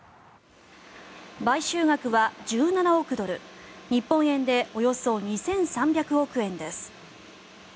買収額は１７億ドル、日本円でおよそ２３００億円です。